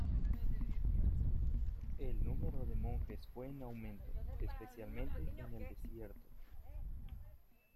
El número de monjes fue en aumento, especialmente en el desierto.